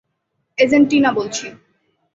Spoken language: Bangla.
এজেন্ট টিনা বলছি।